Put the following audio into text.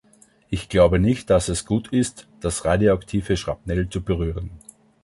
Ich glaube nicht, dass es gut ist, das radioaktive Schrapnell zu berühren.